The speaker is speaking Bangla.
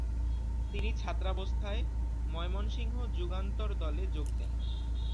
তিনি ছাত্রাবস্থায় ময়মনসিংহ যুগান্তর দলে যোগ দেন।